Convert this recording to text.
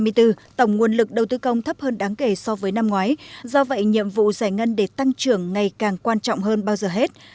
năm hai nghìn hai mươi bốn tổng nguồn lực đầu tư công thấp hơn đáng kể so với năm ngoái do vậy nhiệm vụ giải ngân để tăng trưởng ngày càng quan trọng hơn bao giờ hết